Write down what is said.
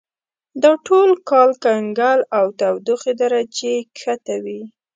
دا ټول کال کنګل او تودوخې درجه یې کښته وي.